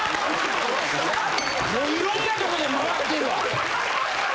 もういろんなとこで回ってるわ。